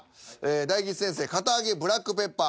大吉先生「堅あげブラックペッパー」。